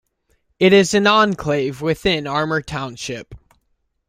It is an enclave within Armour Township.